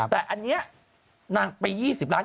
แต่อันนี้นางไป๒๐ล้าน